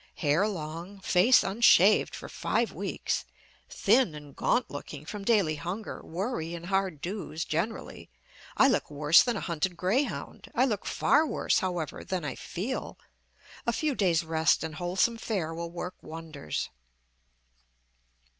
Hair long, face unshaved for five weeks, thin and gaunt looking from daily hunger, worry, and hard dues generally, I look worse than a hunted greyhound. I look far worse, however, than I feel; a few days' rest and wholesome fare will work wonders.